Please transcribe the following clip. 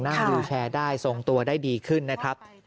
วิวแชร์ได้ทรงตัวได้ดีขึ้นนะครับ